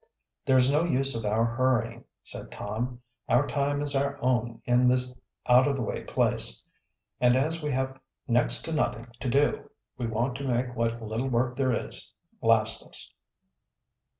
"There is no use of our hurrying," said Tom. "Our time is our own in this out of the way place, and as we have next to nothing to do we want to make what little work there is last us."